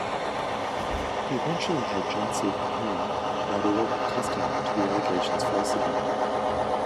He eventually had John C. Calhoun write a letter attesting to the allegation's falsity.